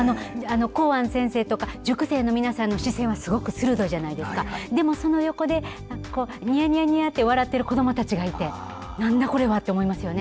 洪庵先生とか塾生の皆さんの視線はすごく鋭いじゃないですかでも、その横でにやにやと笑ってる子どもたちがいてなんだこれはと思いますよね。